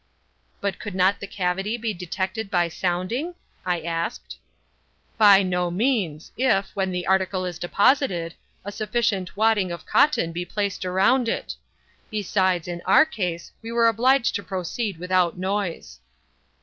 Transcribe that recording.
"But could not the cavity be detected by sounding?" I asked. "By no means, if, when the article is deposited, a sufficient wadding of cotton be placed around it. Besides, in our case, we were obliged to proceed without noise."